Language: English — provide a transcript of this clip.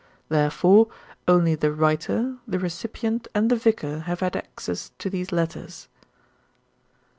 Therefore, only the writer, the recipient and the vicar have had access to these letters."